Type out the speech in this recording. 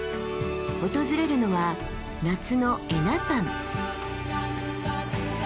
訪れるのは夏の恵那山。